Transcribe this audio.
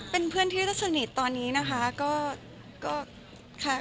เป็นเพื่อนที่สนิทตอนนี้นะคะก็ค่ะ